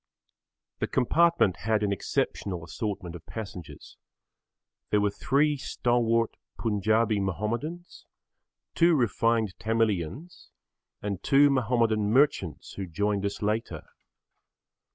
The compartment had an exceptional assortment of passengers. There were three stalwart Punjabi Mahomedans, two refined Tamilians and two Mahomedan merchants who joined us later.